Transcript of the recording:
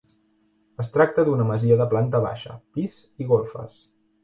Es tracta d'una masia de planta baixa, pis i golfes.